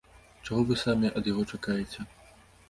Чаго вы самі ад яго чакаеце?